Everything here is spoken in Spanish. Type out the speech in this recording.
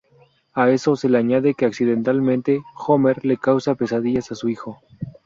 A eso, se le añade que accidentalmente Homer le causa pesadillas a su hijo.